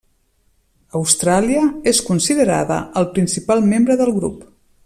Austràlia és considerada el principal membre del grup.